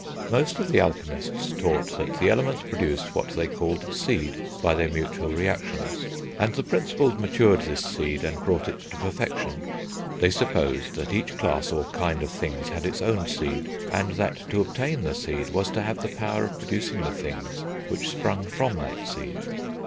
Most of the alchemists taught that the elements produced what they called seed, by their mutual reactions, and the principles matured this seed and brought it to perfection. They supposed that each class, or kind, of things had its own seed, and that to obtain the seed was to have the power of producing the things which sprung from that seed.